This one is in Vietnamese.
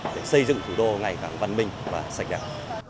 để xây dựng thủ đô ngày càng văn minh và sạch đẹp